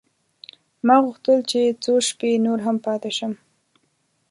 ما غوښتل چې څو شپې نور هم پاته شم.